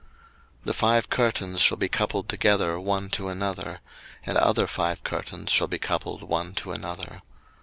02:026:003 The five curtains shall be coupled together one to another; and other five curtains shall be coupled one to another.